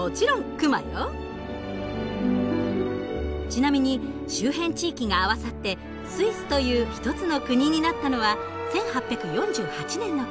ちなみに周辺地域が合わさって「スイス」というひとつの国になったのは１８４８年のこと。